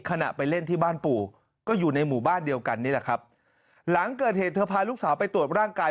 ขณะไปเล่นที่บ้านปู่ก็อยู่ในหมู่บ้านเดียวกันนี่แหละครับหลังเกิดเหตุเธอพาลูกสาวไปตรวจร่างกาย